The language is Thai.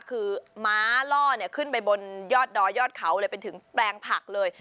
คือม้าล่อขึ้นไปบนยอดดอยยอดเขาเลยเป็นถึงแปลงผักเลย